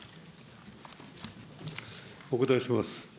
お答えします。